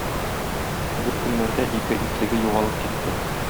Бер көннәрдә ике итлеге югалып китте.